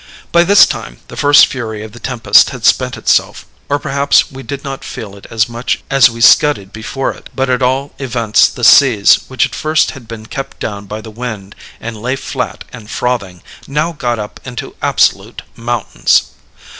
"By this time the first fury of the tempest had spent itself, or perhaps we did not feel it much as we scudded before it; but at all events the seas, which at first had been kept down by the wind, and lay flat and frothing, now got up into absolute mountains.